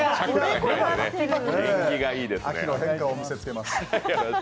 秋の変化を見せつけます。